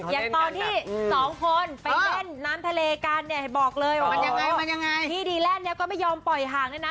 อย่างตอนที่สองคนไปเล่นน้ำทะเลกันเนี่ยบอกเลยว่ามันยังไงมันยังไงพี่ดีแลนด์เนี่ยก็ไม่ยอมปล่อยห่างด้วยนะ